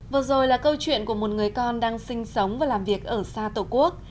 vừa rồi là câu chuyện của một người con đang sinh sống và làm việc ở xa tổ quốc